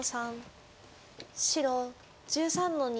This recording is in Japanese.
白１３の二。